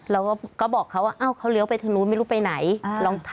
เราก็บอกเขาว่าเขาเลี้ยวไปทางนู้นไม่รู้ไปไหน